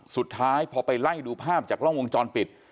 สุดท้ายพอไปไล่ดูภาพจากกล้องวงจรปิด